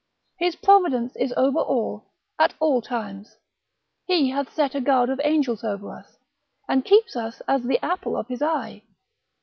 His providence is over all, at all times; he hath set a guard of angels over us, and keeps us as the apple of his eye, Ps.